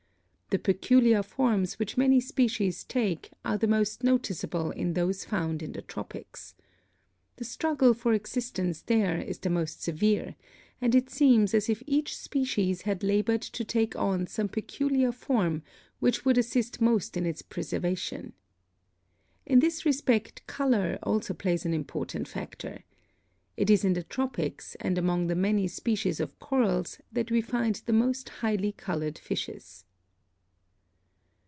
The peculiar forms which many species take are the most noticeable in those found in the tropics. The struggle for existence there is the most severe, and it seems as if each species had labored to take on some peculiar form which would assist most in its preservation. In this respect color also plays an important factor. It is in the tropics and among the many species of corals that we find the most highly colored fishes.